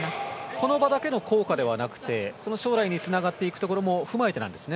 この場だけの効果だけではなくて将来につながっていくところも踏まえてなんですね。